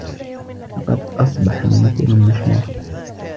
لقد أصبح ممثلا مشهورا.